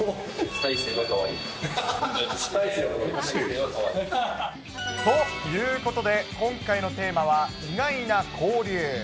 大勢はかわいい。ということで、今回のテーマは、意外な交流。